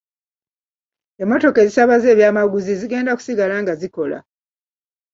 Emmotoka ezisaabaza ebyamaguzi zigenda kusigala nga zikola.